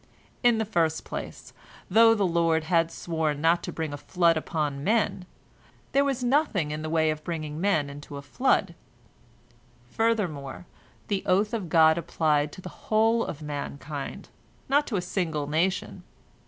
In the first place, though the Lord had sworn not to bring a flood upon men, there was nothing in the way of bringing men into a flood. Furthermore, the oath of God applied to the whole of mankind, not to a single nation.